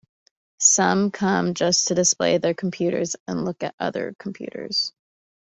Some come just to display their computers and look at others' computers.